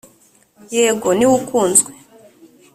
yego, niwe ukunzwe.